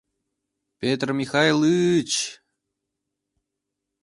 — Петр Михайлы-ы-ыч!